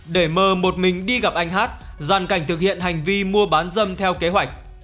để m một mình đi gặp anh h dàn cảnh thực hiện hành vi mua bán rầm theo kế hoạch